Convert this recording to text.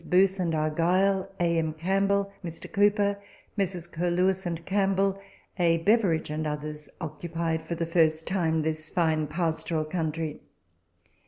Booth and Argyle, A. M. Campbell, Mr. Cowper, Messrs. Curlewis and Campbell, A. Beveridge, and others, occupied for the first time this fine pastoral country.